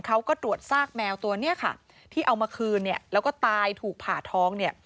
เขาก็ตรวจซากแมวตัวนี้ค่ะที่เอามาคืนเนี่ยแล้วก็ตายถูกผ่าท้องเนี่ย